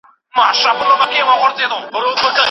فرهنګي انسان پوهنه تر جسماني انسان پوهني ټولنیزه ده.